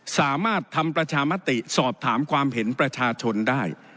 สามารถทำประชามติสอบถามความเห็นประชาชนได้